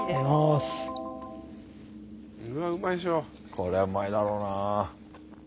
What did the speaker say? これはうまいだろうな。